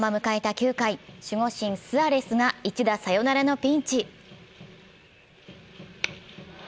９回、守護神・スアレスが１打サヨナラのピンチ。